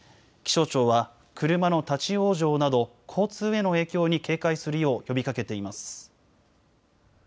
気象庁は車の立往生など交通への影響に警戒するよう呼びかけています。